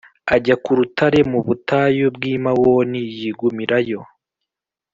ajya ku rutare mu butayu bw’i Mawoni yigumirayo.